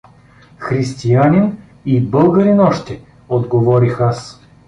— Християнин и българин още — отговорих аз.